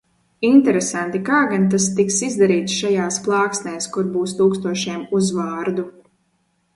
Interesanti, kā gan tas tiks izdarīts šajās plāksnēs, kur būs tūkstošiem uzvārdu.